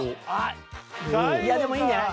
いやでもいいんじゃない？